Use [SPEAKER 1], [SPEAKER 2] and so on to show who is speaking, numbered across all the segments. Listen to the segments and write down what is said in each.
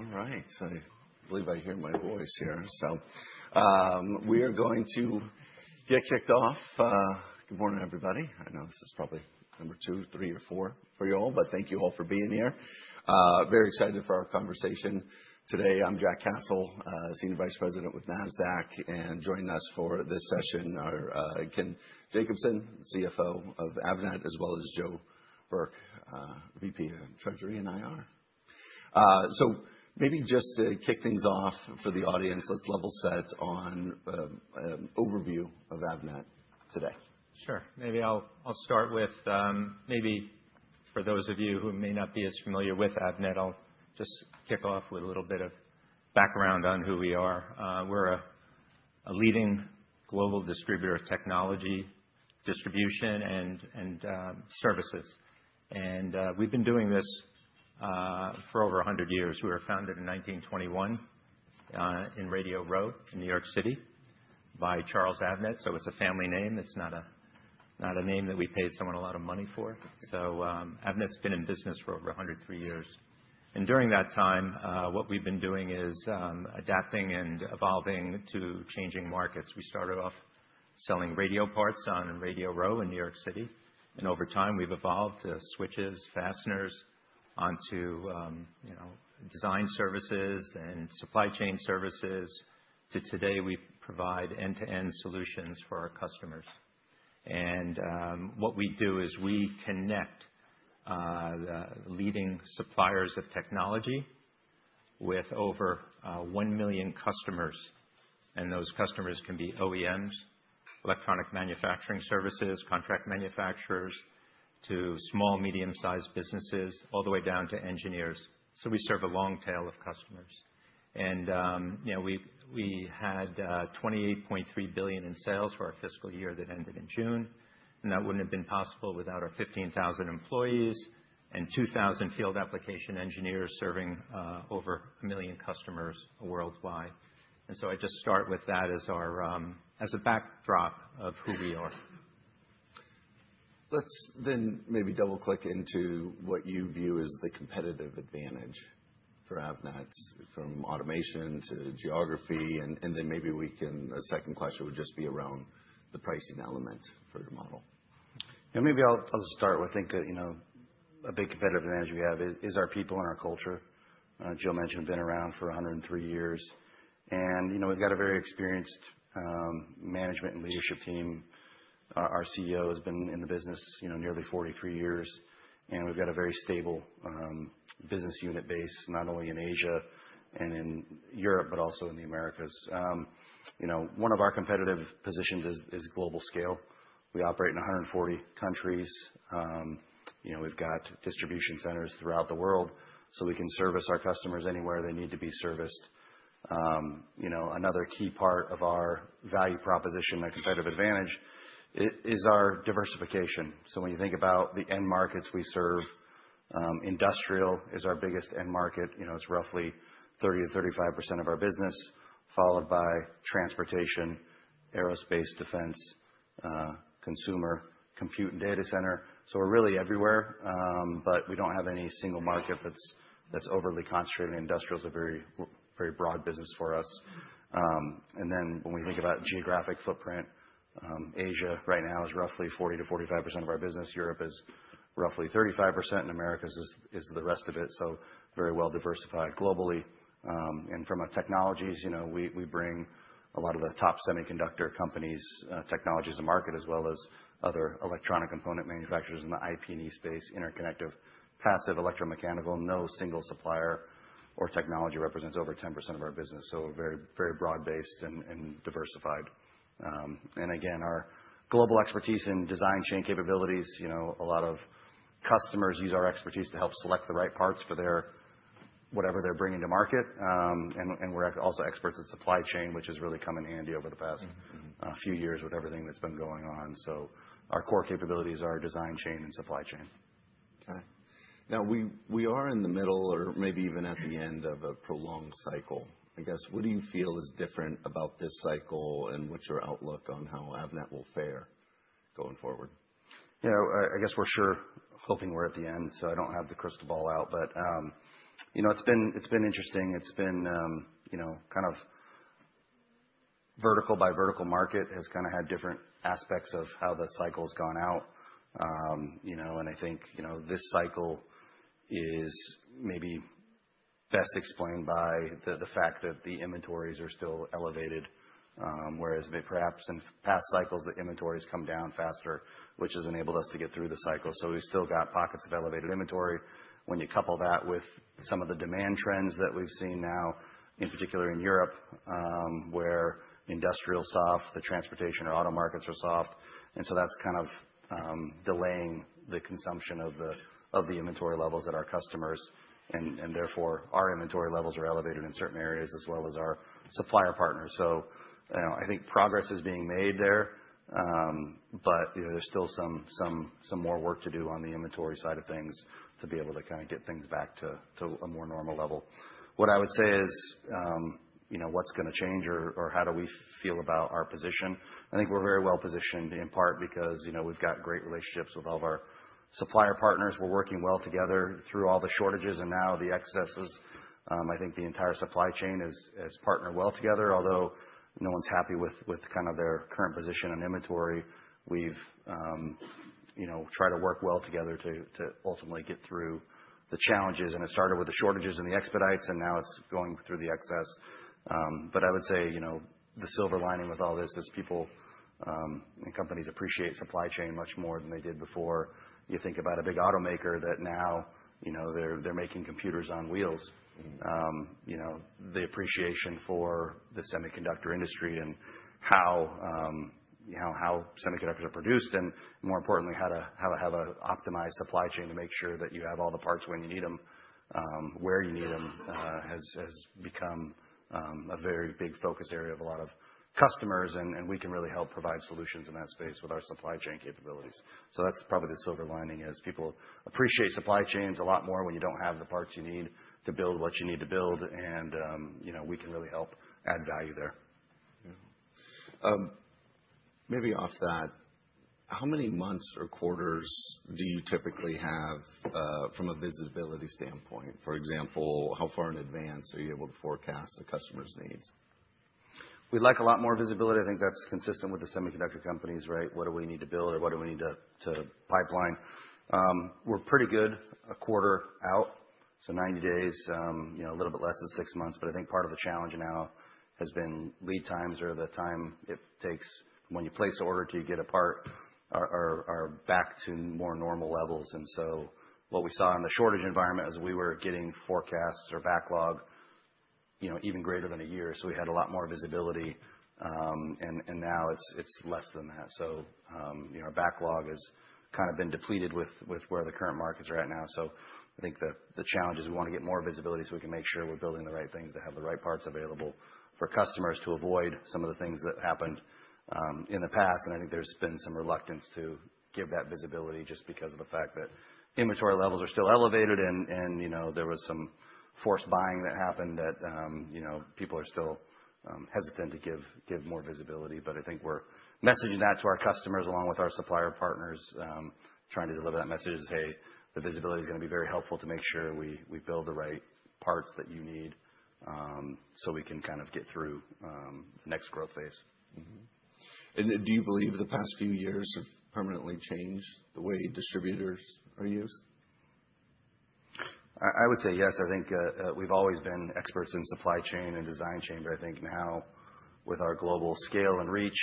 [SPEAKER 1] All right. I believe I hear my voice here. So we are going to get kicked off. Good morning, everybody. I know this is probably number two, three, or four for you all, but thank you all for being here. Very excited for our conversation today. I'm Jack Cassel, Senior Vice President with Nasdaq, and joining us for this session are Ken Jacobson, CFO of Avnet, as well as Joe Burke, VP of Treasury and IR. So maybe just to kick things off for the audience, let's level set on an overview of Avnet today.
[SPEAKER 2] Sure. Maybe I'll start with, maybe for those of you who may not be as familiar with Avnet, I'll just kick off with a little bit of background on who we are. We're a leading global distributor of technology, distribution, and services. And we've been doing this for over 100 years. We were founded in 1921 in Radio Row in New York City by Charles Avnet. So it's a family name. It's not a name that we pay someone a lot of money for. So Avnet's been in business for over 103 years. And during that time, what we've been doing is adapting and evolving to changing markets. We started off selling radio parts on Radio Row in New York City. And over time, we've evolved to switches, fasteners, onto design services and supply chain services. To today, we provide end-to-end solutions for our customers. What we do is we connect leading suppliers of technology with over one million customers. Those customers can be OEMs, electronic manufacturing services, contract manufacturers, to small, medium-sized businesses, all the way down to engineers. We serve a long tail of customers. We had $28.3 billion in sales for our fiscal year that ended in June. That wouldn't have been possible without our 15,000 employees and 2,000 field application engineers serving over a million customers worldwide. I just start with that as a backdrop of who we are.
[SPEAKER 1] Let's then maybe double-click into what you view as the competitive advantage for Avnet, from automation to geography. And then maybe we can a second question would just be around the pricing element for your model.
[SPEAKER 3] Yeah, maybe I'll start with, I think a big competitive advantage we have is our people and our culture. Joe mentioned we've been around for 103 years. And we've got a very experienced management and leadership team. Our CEO has been in the business nearly 43 years. And we've got a very stable business unit base, not only in Asia and in Europe, but also in the Americas. One of our competitive positions is global scale. We operate in 140 countries. We've got distribution centers throughout the world. So we can service our customers anywhere they need to be serviced. Another key part of our value proposition, our competitive advantage, is our diversification. So when you think about the end markets we serve, industrial is our biggest end market. It's roughly 30%-35% of our business, followed by transportation, aerospace, defense, consumer, compute, and data center. We're really everywhere. But we don't have any single market that's overly concentrated. Industrial is a very broad business for us. When we think about geographic footprint, Asia right now is roughly 40%-45% of our business. Europe is roughly 35%. America is the rest of it. We're very well diversified globally. From a technologies, we bring a lot of the top semiconductor companies' technologies to market, as well as other electronic component manufacturers in the IP&E space, interconnect, passive, electromechanical. No single supplier or technology represents over 10% of our business. We're very broad-based and diversified. Our global expertise in design chain capabilities helps a lot of customers select the right parts for whatever they're bringing to market. And we're also experts at supply chain, which has really come in handy over the past few years with everything that's been going on. So our core capabilities are design chain and supply chain.
[SPEAKER 1] Okay. Now, we are in the middle or maybe even at the end of a prolonged cycle. I guess, what do you feel is different about this cycle and what's your outlook on how Avnet will fare going forward?
[SPEAKER 3] Yeah, I guess we're sure hoping we're at the end, so I don't have the crystal ball out, but it's been interesting. It's been kind of vertical by vertical market has kind of had different aspects of how the cycle has gone out, and I think this cycle is maybe best explained by the fact that the inventories are still elevated, whereas perhaps in past cycles, the inventories come down faster, which has enabled us to get through the cycle. So we've still got pockets of elevated inventory. When you couple that with some of the demand trends that we've seen now, in particular in Europe, where industrial's soft, the transportation or auto markets are soft, and so that's kind of delaying the consumption of the inventory levels at our customers. And therefore, our inventory levels are elevated in certain areas, as well as our supplier partners. I think progress is being made there. There's still some more work to do on the inventory side of things to be able to kind of get things back to a more normal level. What I would say is, what's going to change or how do we feel about our position? I think we're very well positioned in part because we've got great relationships with all of our supplier partners. We're working well together through all the shortages and now the excesses. I think the entire supply chain has partnered well together. Although no one's happy with kind of their current position on inventory, we've tried to work well together to ultimately get through the challenges. It started with the shortages and the expedites, and now it's going through the excess. I would say the silver lining with all this is people and companies appreciate supply chain much more than they did before. You think about a big automaker that now they're making computers on wheels. The appreciation for the semiconductor industry and how semiconductors are produced, and more importantly, how to have an optimized supply chain to make sure that you have all the parts when you need them, where you need them, has become a very big focus area of a lot of customers. We can really help provide solutions in that space with our supply chain capabilities. That's probably the silver lining is people appreciate supply chains a lot more when you don't have the parts you need to build what you need to build. We can really help add value there.
[SPEAKER 1] Maybe off that, how many months or quarters do you typically have from a visibility standpoint? For example, how far in advance are you able to forecast the customer's needs?
[SPEAKER 2] We'd like a lot more visibility. I think that's consistent with the semiconductor companies, right? What do we need to build or what do we need to pipeline? We're pretty good a quarter out, so 90 days, a little bit less than six months. But I think part of the challenge now has been lead times or the time it takes when you place an order to get a part are back to more normal levels. And so what we saw in the shortage environment is we were getting forecasts or backlog even greater than a year. So we had a lot more visibility. And now it's less than that. So our backlog has kind of been depleted with where the current markets are at now. I think the challenge is we want to get more visibility so we can make sure we're building the right things that have the right parts available for customers to avoid some of the things that happened in the past. I think there's been some reluctance to give that visibility just because of the fact that inventory levels are still elevated. There was some forced buying that happened that people are still hesitant to give more visibility. I think we're messaging that to our customers along with our supplier partners, trying to deliver that message is, hey, the visibility is going to be very helpful to make sure we build the right parts that you need so we can kind of get through the next growth phase.
[SPEAKER 1] Do you believe the past few years have permanently changed the way distributors are used?
[SPEAKER 3] I would say yes. I think we've always been experts in supply chain and design chain. But I think now with our global scale and reach,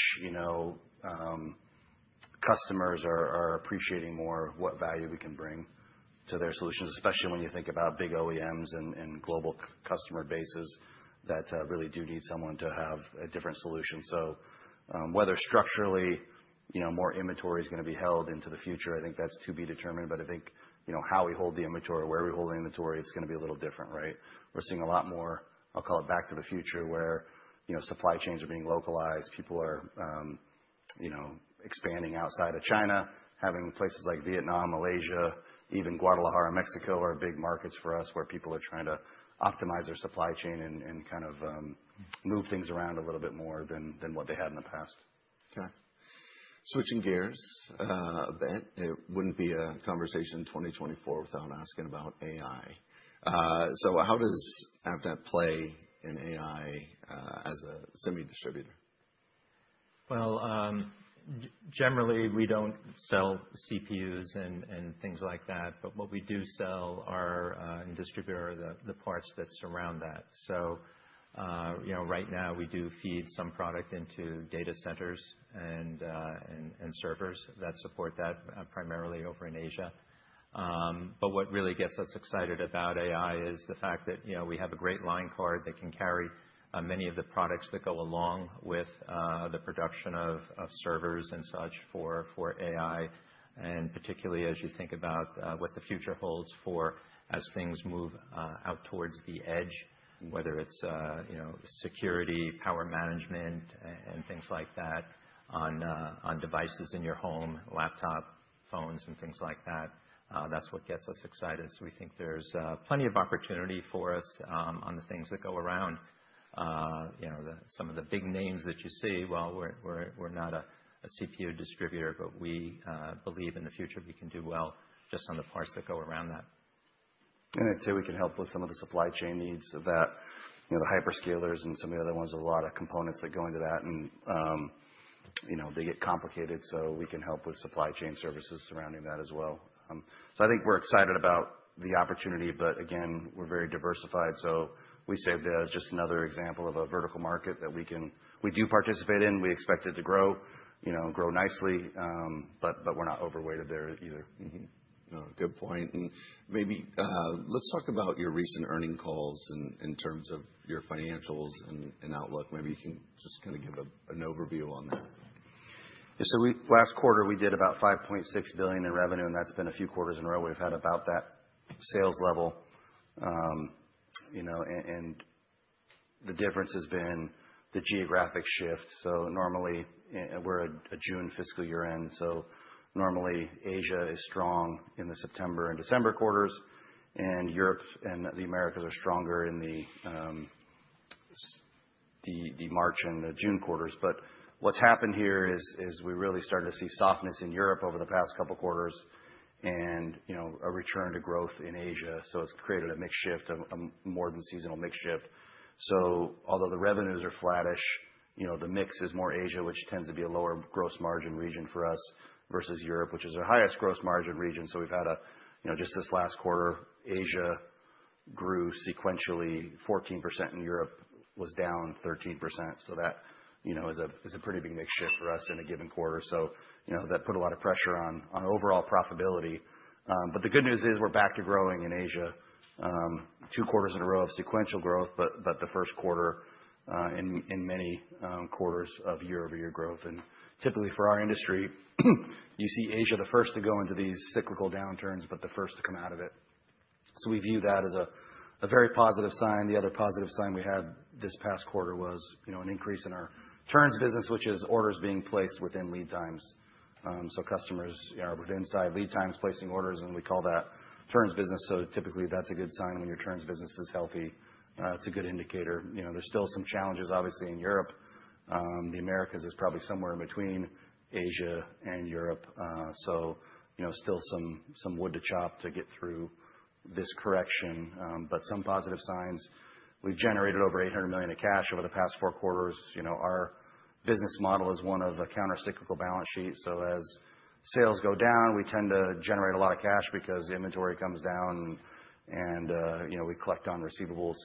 [SPEAKER 3] customers are appreciating more what value we can bring to their solutions, especially when you think about big OEMs and global customer bases that really do need someone to have a different solution. So whether structurally more inventory is going to be held into the future, I think that's to be determined. But I think how we hold the inventory, where we hold the inventory, it's going to be a little different, right? We're seeing a lot more, I'll call it back to the future, where supply chains are being localized. People are expanding outside of China, having places like Vietnam, Malaysia, even Guadalajara, Mexico, are big markets for us where people are trying to optimize their supply chain and kind of move things around a little bit more than what they had in the past.
[SPEAKER 1] Okay. Switching gears a bit, it wouldn't be a conversation in 2024 without asking about AI. So how does Avnet play in AI as a semi-distributor?
[SPEAKER 2] Generally, we don't sell CPUs and things like that, but what we do sell as a distributor are the parts that surround that, so right now, we do feed some product into data centers and servers that support that primarily over in Asia, but what really gets us excited about AI is the fact that we have a great line card that can carry many of the products that go along with the production of servers and such for AI, and particularly, as you think about what the future holds for as things move out towards the edge, whether it's security, power management, and things like that on devices in your home, laptop, phones, and things like that, that's what gets us excited, so we think there's plenty of opportunity for us on the things that go around. Some of the big names that you see, well, we're not a CPU distributor. But we believe in the future we can do well just on the parts that go around that.
[SPEAKER 3] I'd say we can help with some of the supply chain needs of that. The hyperscalers and some of the other ones, a lot of components that go into that. And they get complicated. So we can help with supply chain services surrounding that as well. So I think we're excited about the opportunity. But again, we're very diversified. So we serve as just another example of a vertical market that we do participate in. We expect it to grow nicely. But we're not overweighted there either.
[SPEAKER 1] No, good point. And maybe let's talk about your recent earnings calls in terms of your financials and outlook. Maybe you can just kind of give an overview on that.
[SPEAKER 2] Yeah, so last quarter, we did about $5.6 billion in revenue, and that's been a few quarters in a row we've had about that sales level. The difference has been the geographic shift. Normally, we're a June fiscal year end, so normally, Asia is strong in the September and December quarters, and Europe and the Americas are stronger in the March and the June quarters. But what's happened here is we really started to see softness in Europe over the past couple of quarters and a return to growth in Asia. So it's created a mix shift, a more than seasonal mix shift. Although the revenues are flattish, the mix is more Asia, which tends to be a lower gross margin region for us versus Europe, which is our highest gross margin region. Just this last quarter, Asia grew sequentially 14%. And Europe was down 13%. So that is a pretty big mix shift for us in a given quarter. So that put a lot of pressure on overall profitability. But the good news is we're back to growing in Asia, two quarters in a row of sequential growth, but the first quarter in many quarters of year-over-year growth. And typically for our industry, you see Asia the first to go into these cyclical downturns, but the first to come out of it. So we view that as a very positive sign. The other positive sign we had this past quarter was an increase in our turns business, which is orders being placed within lead times. So customers are within lead times placing orders. And we call that turns business. So typically, that's a good sign when your turns business is healthy. It's a good indicator. There's still some challenges, obviously, in Europe. The Americas is probably somewhere in between Asia and Europe. So still some wood to chop to get through this correction. But some positive signs, we've generated over $800 million in cash over the past four quarters. Our business model is one of a countercyclical balance sheet. So as sales go down, we tend to generate a lot of cash because inventory comes down and we collect on receivables.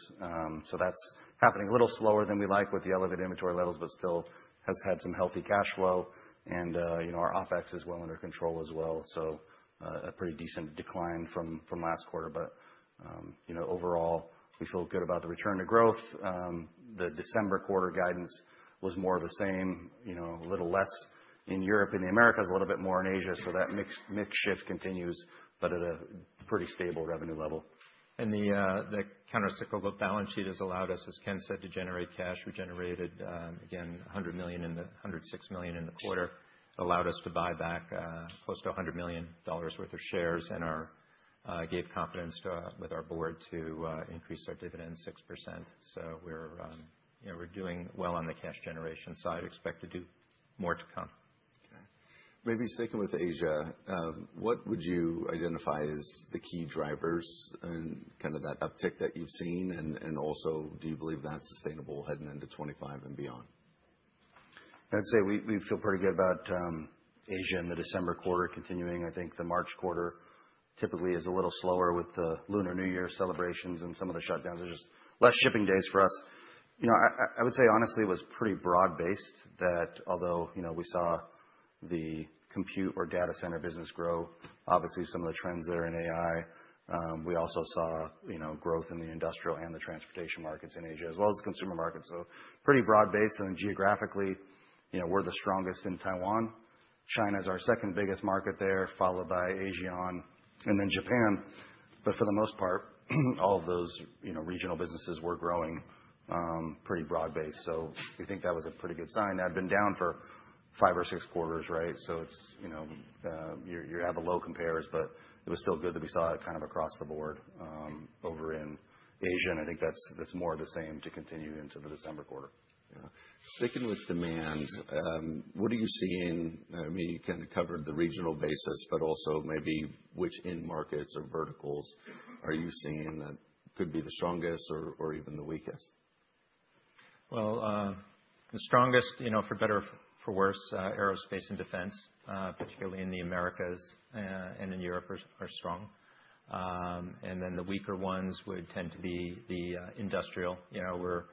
[SPEAKER 2] So that's happening a little slower than we like with the elevated inventory levels, but still has had some healthy cash flow. And our OpEx is well under control as well. So a pretty decent decline from last quarter. But overall, we feel good about the return to growth. The December quarter guidance was more of the same, a little less in Europe and the Americas, a little bit more in Asia. So that mix shift continues, but at a pretty stable revenue level. The countercyclical balance sheet has allowed us, as Ken said, to generate cash. We generated, again, $100 million in the $106 million in the quarter. It allowed us to buy back close to $100 million worth of shares and gave confidence with our board to increase our dividend 6%. So we're doing well on the cash generation side. Expect to do more to come.
[SPEAKER 1] Okay. Maybe sticking with Asia, what would you identify as the key drivers in kind of that uptick that you've seen? And also, do you believe that's sustainable heading into 2025 and beyond?
[SPEAKER 2] I'd say we feel pretty good about Asia in the December quarter continuing. I think the March quarter typically is a little slower with the Lunar New Year celebrations and some of the shutdowns. There's just less shipping days for us. I would say, honestly, it was pretty broad-based that although we saw the compute or data center business grow, obviously, some of the trends there in AI, we also saw growth in the industrial and the transportation markets in Asia, as well as consumer markets, so pretty broad-based, and geographically, we're the strongest in Taiwan. China is our second biggest market there, followed by ASEAN and then Japan, but for the most part, all of those regional businesses were growing pretty broad-based, so we think that was a pretty good sign. That had been down for five or six quarters, right, so you have a low compares. But it was still good that we saw it kind of across the board over in Asia. And I think that's more of the same to continue into the December quarter.
[SPEAKER 1] Yeah. Sticking with demand, what are you seeing? I mean, you kind of covered the regional basis, but also maybe which end markets or verticals are you seeing that could be the strongest or even the weakest?
[SPEAKER 3] The strongest, for better or for worse, aerospace and defense, particularly in the Americas and in Europe, are strong. Then the weaker ones would tend to be the industrial. We're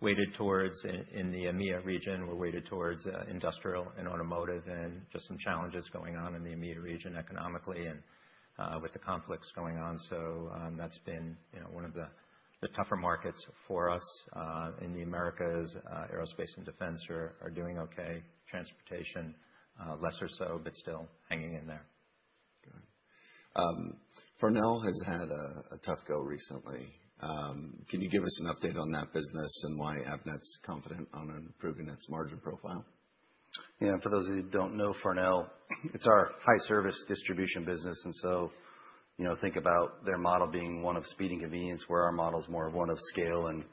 [SPEAKER 3] weighted towards in the EMEA region. We're weighted towards industrial and automotive and just some challenges going on in the EMEA region economically and with the conflicts going on. That's been one of the tougher markets for us. In the Americas, aerospace and defense are doing OK. Transportation, lesser so, but still hanging in there.
[SPEAKER 1] Okay. Farnell has had a tough go recently. Can you give us an update on that business and why Avnet's confident on improving its margin profile?
[SPEAKER 3] Yeah. For those of you who don't know Farnell, it's our high-service distribution business. And so think about their model being one of speed and convenience, where our model is more of one of scale and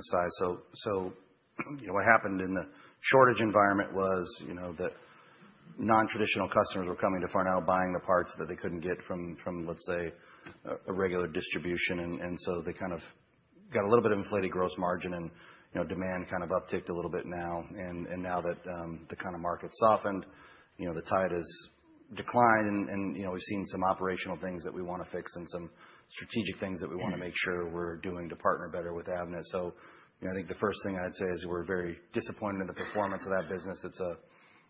[SPEAKER 3] size. So what happened in the shortage environment was that nontraditional customers were coming to Farnell, buying the parts that they couldn't get from, let's say, a regular distribution. And so they kind of got a little bit of inflated gross margin. And demand kind of upticked a little bit now. And now that the kind of market softened, the tide has declined. And we've seen some operational things that we want to fix and some strategic things that we want to make sure we're doing to partner better with Avnet. So I think the first thing I'd say is we're very disappointed in the performance of that business. It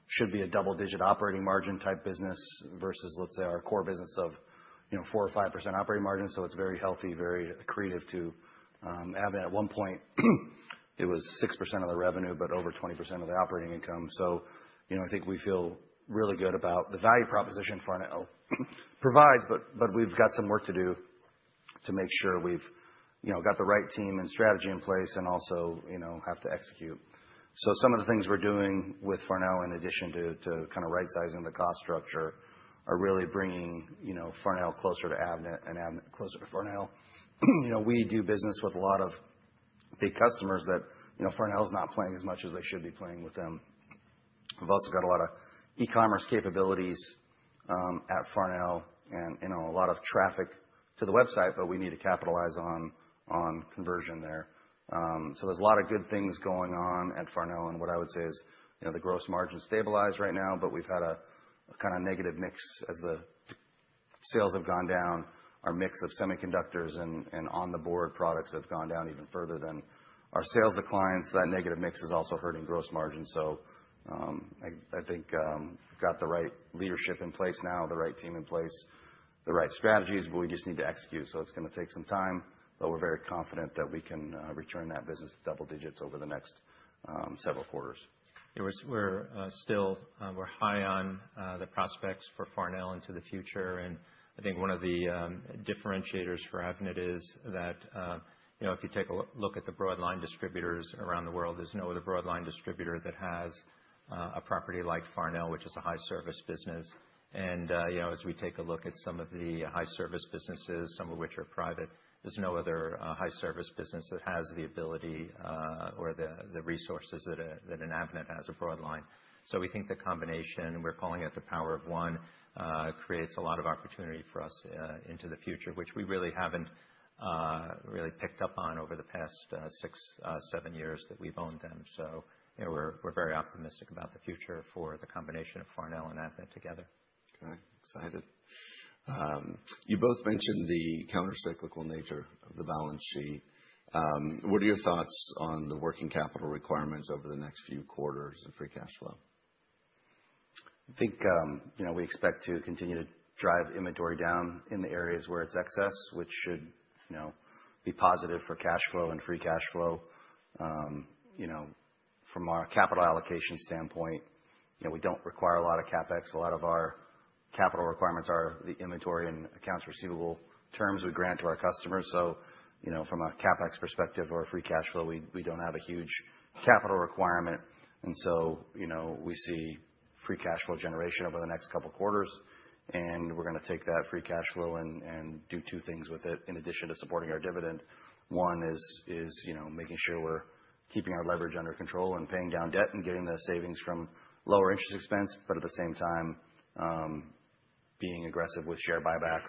[SPEAKER 3] should be a double-digit operating margin type business versus, let's say, our core business of 4% or 5% operating margin. So it's very healthy, very accretive to Avnet. At one point, it was 6% of the revenue, but over 20% of the operating income. So I think we feel really good about the value proposition Farnell provides. But we've got some work to do to make sure we've got the right team and strategy in place and also have to execute. So some of the things we're doing with Farnell, in addition to kind of right-sizing the cost structure, are really bringing Farnell closer to Avnet and Avnet closer to Farnell. We do business with a lot of big customers that Farnell is not playing as much as they should be playing with them.
[SPEAKER 2] We've also got a lot of e-commerce capabilities at Farnell and a lot of traffic to the website. But we need to capitalize on conversion there. So there's a lot of good things going on at Farnell. And what I would say is the gross margin stabilized right now. But we've had a kind of negative mix as the sales have gone down. Our mix of semiconductors and on-the-board products have gone down even further than our sales decline. So that negative mix is also hurting gross margin. So I think we've got the right leadership in place now, the right team in place, the right strategies. But we just need to execute. So it's going to take some time. But we're very confident that we can return that business to double digits over the next several quarters.
[SPEAKER 3] Yeah. We're still high on the prospects for Farnell into the future. And I think one of the differentiators for Avnet is that if you take a look at the broadline distributors around the world, there's no other broadline distributor that has a property like Farnell, which is a high-service business. And as we take a look at some of the high-service businesses, some of which are private, there's no other high-service business that has the ability or the resources that Avnet has as a broadline. So we think the combination, we're calling it the Power of One, creates a lot of opportunity for us into the future, which we really haven't picked up on over the past six, seven years that we've owned them. So we're very optimistic about the future for the combination of Farnell and Avnet together. Okay. Excited.
[SPEAKER 1] You both mentioned the countercyclical nature of the balance sheet. What are your thoughts on the working capital requirements over the next few quarters and free cash flow?
[SPEAKER 2] I think we expect to continue to drive inventory down in the areas where it's excess, which should be positive for cash flow and free cash flow. From our capital allocation standpoint, we don't require a lot of CapEx. A lot of our capital requirements are the inventory and accounts receivable terms we grant to our customers. So from a CapEx perspective or a free cash flow, we don't have a huge capital requirement. And so we see free cash flow generation over the next couple of quarters. And we're going to take that free cash flow and do two things with it in addition to supporting our dividend. One is making sure we're keeping our leverage under control and paying down debt and getting the savings from lower interest expense. But at the same time, being aggressive with share buybacks,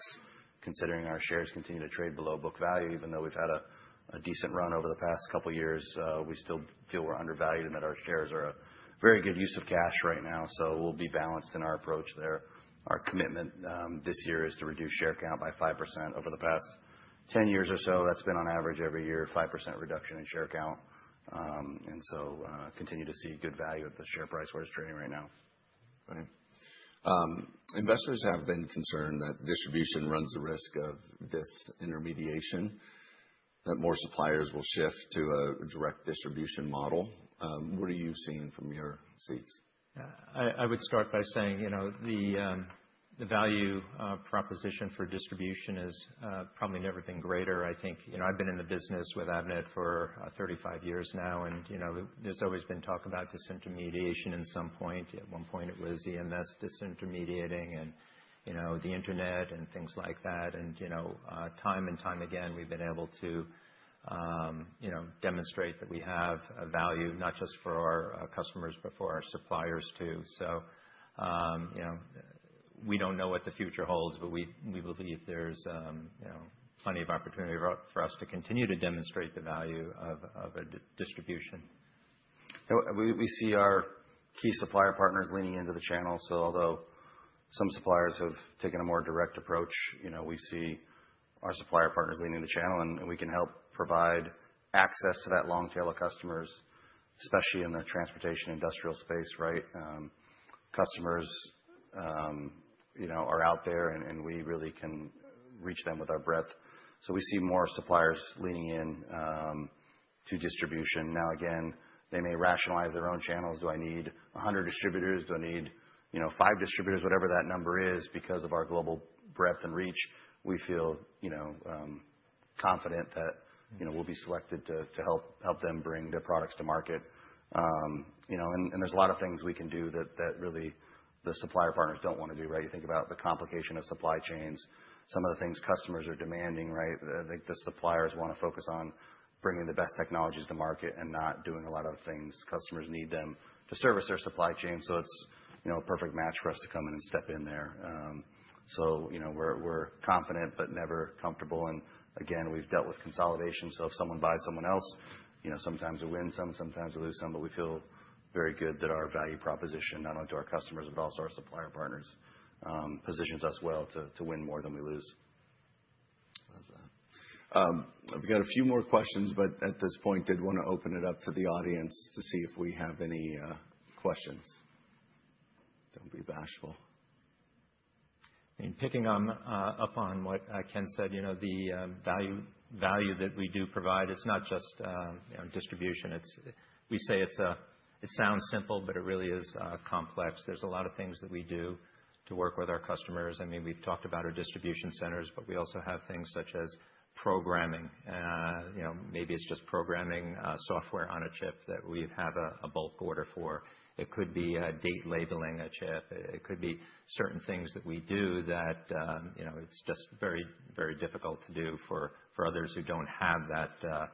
[SPEAKER 2] considering our shares continue to trade below book value. Even though we've had a decent run over the past couple of years, we still feel we're undervalued and that our shares are a very good use of cash right now. So we'll be balanced in our approach there. Our commitment this year is to reduce share count by 5%. Over the past 10 years or so, that's been on average every year, 5% reduction in share count, and so continue to see good value of the share price where it's trading right now.
[SPEAKER 1] Right. Investors have been concerned that distribution runs the risk of disintermediation, that more suppliers will shift to a direct distribution model. What are you seeing from your seats?
[SPEAKER 3] Yeah. I would start by saying the value proposition for distribution has probably never been greater. I think I've been in the business with Avnet for 35 years now, and there's always been talk about disintermediation at some point. At one point, it was EMS disintermediating and the internet and things like that, and time and time again, we've been able to demonstrate that we have a value not just for our customers, but for our suppliers too. So we don't know what the future holds, but we believe there's plenty of opportunity for us to continue to demonstrate the value of a distribution.
[SPEAKER 2] We see our key supplier partners leaning into the channel, so although some suppliers have taken a more direct approach, we see our supplier partners leaning into the channel, and we can help provide access to that long tail of customers, especially in the transportation industrial space, right? Customers are out there, and we really can reach them with our breadth, so we see more suppliers leaning in to distribution. Now, again, they may rationalize their own channels. Do I need 100 distributors? Do I need five distributors, whatever that number is? Because of our global breadth and reach, we feel confident that we'll be selected to help them bring their products to market, and there's a lot of things we can do that really the supplier partners don't want to do, right? You think about the complication of supply chains, some of the things customers are demanding, right? I think the suppliers want to focus on bringing the best technologies to market and not doing a lot of things. Customers need them to service their supply chain. So it's a perfect match for us to come in and step in there. So we're confident, but never comfortable. And again, we've dealt with consolidation. So if someone buys someone else, sometimes we win some, sometimes we lose some. But we feel very good that our value proposition, not only to our customers, but also our supplier partners, positions us well to win more than we lose.
[SPEAKER 1] We've got a few more questions. But at this point, did want to open it up to the audience to see if we have any questions. Don't be bashful.
[SPEAKER 2] I mean, picking up on what Ken said, the value that we do provide, it's not just distribution. We say it sounds simple, but it really is complex. There's a lot of things that we do to work with our customers. I mean, we've talked about our distribution centers. But we also have things such as programming. Maybe it's just programming software on a chip that we have a bulk order for. It could be date labeling a chip. It could be certain things that we do that it's just very, very difficult to do for others who don't have that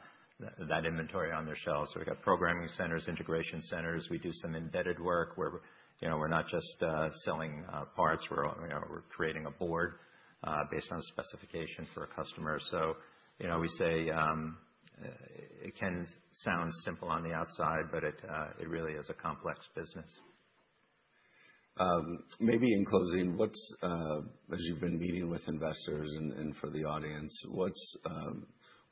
[SPEAKER 2] inventory on their shelves. So we've got programming centers, integration centers. We do some embedded work where we're not just selling parts. We're creating a board based on specification for a customer. So we say it can sound simple on the outside. But it really is a complex business.
[SPEAKER 1] Maybe in closing, as you've been meeting with investors and for the audience, what's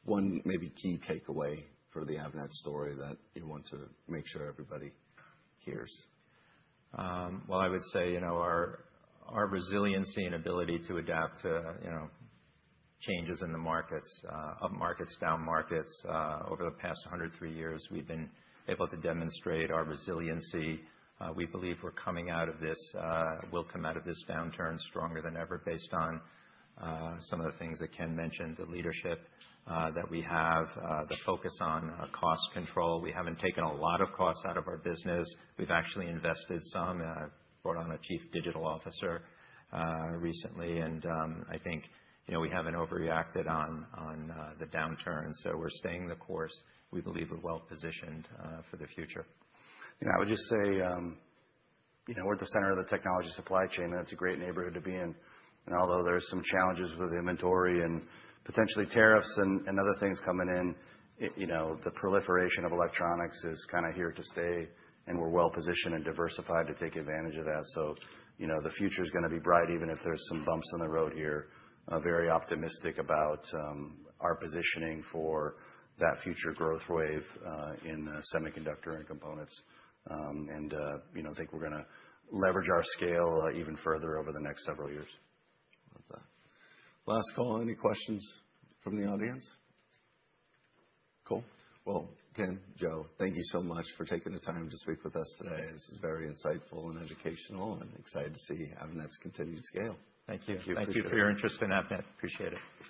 [SPEAKER 1] one maybe key takeaway for the Avnet story that you want to make sure everybody hears?
[SPEAKER 3] I would say our resiliency and ability to adapt to changes in the markets, up markets, down markets. Over the past 103 years, we've been able to demonstrate our resiliency. We believe we're coming out of this. We'll come out of this downturn stronger than ever based on some of the things that Ken mentioned, the leadership that we have, the focus on cost control. We haven't taken a lot of costs out of our business. We've actually invested some. I brought on a chief digital officer recently. I think we haven't overreacted on the downturn. We're staying the course. We believe we're well positioned for the future.
[SPEAKER 2] Yeah. I would just say we're at the center of the technology supply chain, and it's a great neighborhood to be in. And although there are some challenges with inventory and potentially tariffs and other things coming in, the proliferation of electronics is kind of here to stay. And we're well positioned and diversified to take advantage of that. So the future is going to be bright, even if there are some bumps in the road here. Very optimistic about our positioning for that future growth wave in semiconductor and components. And I think we're going to leverage our scale even further over the next several years.
[SPEAKER 1] Last call. Any questions from the audience? Cool. Well, Ken, Joe, thank you so much for taking the time to speak with us today. This is very insightful and educational, and excited to see Avnet's continued scale.
[SPEAKER 3] Thank you. Thank you for your interest in Avnet. Appreciate it.